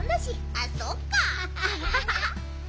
あっそっか。